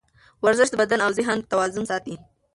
ورزش د بدن او ذهن توازن ساتي.